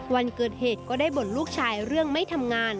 วันเกิดเหตุก็ได้บ่นลูกชายเรื่องไม่ทำงาน